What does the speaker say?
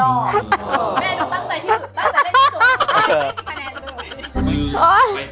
แม่ดูตั้งใจที่สุดตั้งใจได้ที่สุด